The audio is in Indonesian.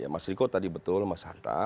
mas riko tadi betul mas hanta